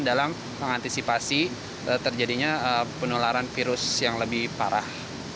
dalam mengantisipasi terjadinya penularan virus yang lebih parah